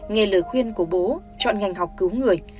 nghe lời khuyên của bố chọn ngành học cứu người